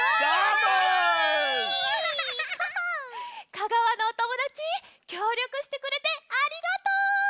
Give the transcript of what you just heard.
香川のおともだちきょうりょくしてくれてありがとう！